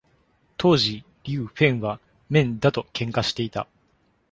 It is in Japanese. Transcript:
当時、リウ・フェンはメン・ダと喧嘩していた。